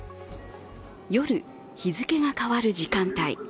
夜、日付が変わる時間帯。